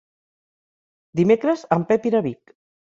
Dimecres en Pep irà a Vic.